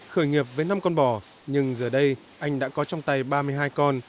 khởi nghiệp với năm con bò nhưng giờ đây anh đã có trong tay ba mươi hai con